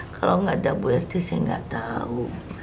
kalau gak ada bu rt saya gak tau